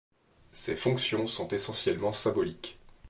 Ces fonctions sont essentiellement symboliques.